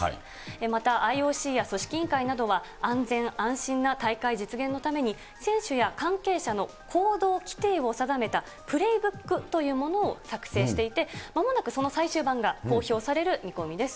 またＩＯＣや組織委員会などは、安全安心な大会実現のために、選手や関係者の行動規定を定めたプレイブックというものを作成していて、まもなくその最終版が公表される見込みです。